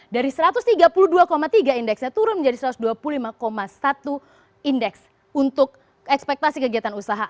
dari satu ratus tiga puluh dua tiga indeksnya turun menjadi satu ratus dua puluh lima satu indeks untuk ekspektasi kegiatan usaha